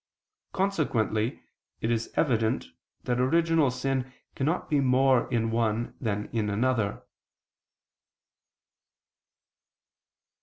Consequently it is evident that original sin cannot be more in one than in another.